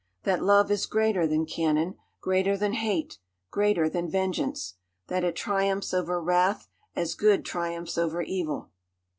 That love is greater than cannon, greater than hate, greater than vengeance; that it triumphs over wrath, as good triumphs over evil.